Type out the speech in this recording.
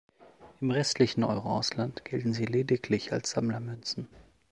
Im restlichen Euro-Ausland gelten sie lediglich als Sammlermünzen.